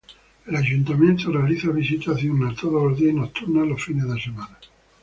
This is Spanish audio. El ayuntamiento realiza visitas diurnas todos los días y nocturnas los fines de semana.